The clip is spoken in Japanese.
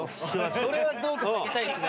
それはどうか避けたいっす。